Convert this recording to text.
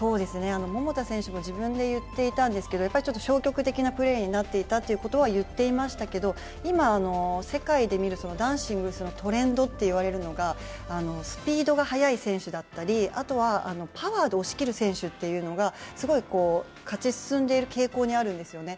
桃田選手も自分で言っていたんですけど、ちょっと消極的なプレーになっていたということは言っていましたけど今、世界で見る男子のトレンドというのが、スピードが速い選手だったり、あとはパワーで押し切る選手がすごい勝ち進んでいる傾向にあるんですよね。